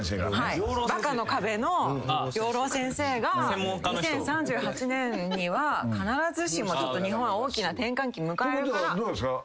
『バカの壁』の養老先生が２０３８年には必ずしも日本は大きな転換期迎えるから。ってことはどうなんすか？